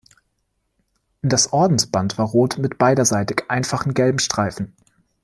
Das Ordensband war rot mit beiderseitigen einfachen gelben Streifen.